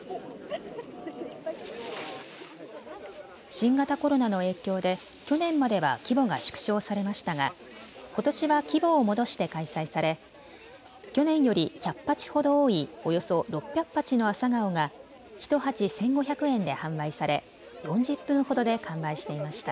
新型コロナの影響で去年までは規模が縮小されましたがことしは規模を戻して開催され去年より１００鉢ほど多いおよそ６００鉢のアサガオが１鉢１５００円で販売され４０分ほどで完売していました。